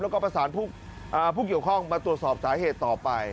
แล้วก็ประสานผู้เกี่ยวข้องมาตรวจสอบสาเหตุต่อไป